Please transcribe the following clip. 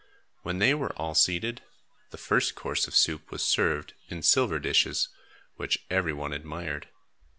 When they were all seated, the first course of soup was served in silver dishes, which every one admired.